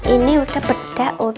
ini udah berdaun